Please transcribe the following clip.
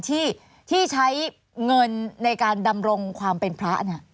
ที่ใช้เงินในการดำรงความเป็นพระเนี่ย